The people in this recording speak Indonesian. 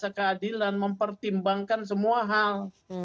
dia memberi rasa keadilan mempertimbangkan semua hal